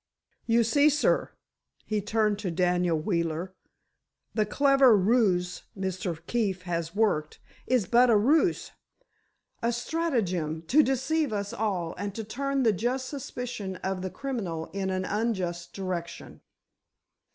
You see, sir," he turned to Daniel Wheeler, "the clever ruse Mr. Keefe has worked, is but a ruse—a stratagem, to deceive us all and to turn the just suspicion of the criminal in an unjust direction."